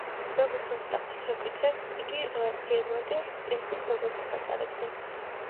როგორც მათი ტახტის მემკვიდრე, იგი პიემონტის პრინცის წოდებას ატარებდა.